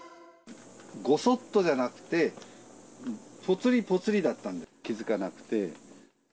ごそっとじゃなくて、ぽつりぽつりだったんで、気付かなくて。